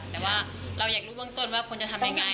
แต่ว่าเราอยากรู้เบื้องต้นว่าควรจะทำยังไง